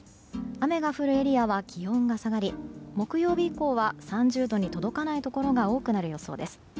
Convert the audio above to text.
雨が降るエリアは気温が下がり、木曜日以降は３０度に届かないところが多くなる予想です。